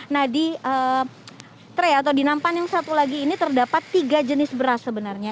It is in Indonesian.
nah di tre atau di nampan yang satu lagi ini terdapat tiga jenis beras sebenarnya